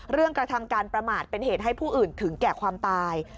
กระทำการประมาทเป็นเหตุให้ผู้อื่นถึงแก่ความตาย